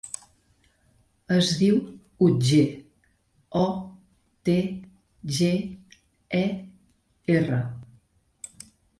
Es diu Otger: o, te, ge, e, erra.